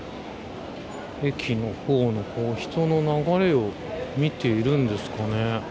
駅の方の人の流れを見ているんですかね。